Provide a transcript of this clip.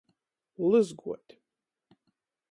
Lyzguot.